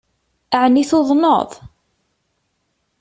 Ɛni tuḍneḍ?